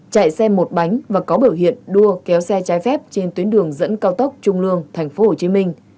chạy xe một bánh và có biểu hiện đua kéo xe trái phép trên tuyến đường dẫn cao tốc trung lương tp hcm